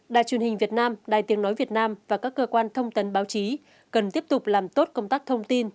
đài truyền hình việt nam đài tiếng nói việt nam và các cơ quan thông tấn báo chí cần tiếp tục làm tốt công tác thông tin